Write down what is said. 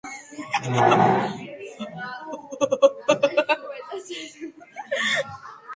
ქვედა სართული ქვისაა.